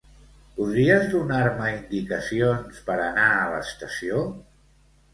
Podries donar-me indicacions per anar a l'estació?